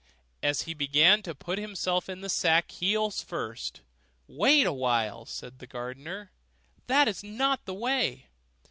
As he began to put himself into the sack heels first, 'Wait a while,' said the gardener, 'that is not the way.